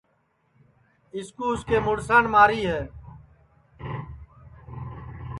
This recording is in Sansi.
کملا کُو اُس کے مُڑسان ماری ہے